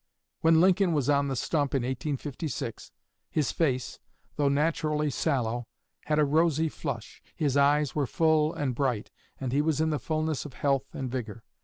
When Lincoln was on the stump in 1856, his face, though naturally sallow, had a rosy flush. His eyes were full and bright, and he was in the fulness of health and vigor.